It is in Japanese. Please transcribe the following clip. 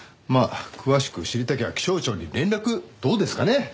まあ詳しく知りたきゃ気象庁に連絡どうですかね？